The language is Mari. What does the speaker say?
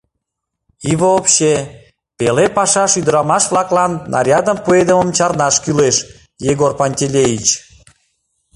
И вообще, пеле пашаш ӱдырамаш-влаклан нарядым пуэдымым чарнаш кӱлеш, Егор Пантелеич!